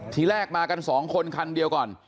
ทีแรกมากันสองคนคันเดียวก่อน